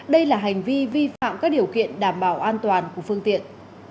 đây là hành vi vi phạm các điều kiện đảm bảo an toàn của phương tiện